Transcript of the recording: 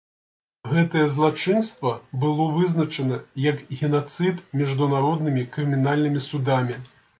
Гэтае злачынства было вызначана як генацыд міжнароднымі крымінальнымі судамі.